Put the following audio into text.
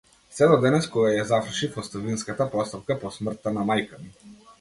Сѐ до денес, кога ја завршив оставинската постапка по смртта на мајка ми.